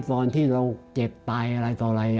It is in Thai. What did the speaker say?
ตอนที่เราเจ็บตายอะไรต่ออะไร